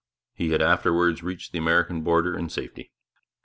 He had afterwards reached the American border in safety.